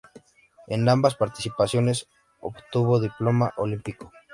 En ambas participaciones obtuvo diploma olímpico.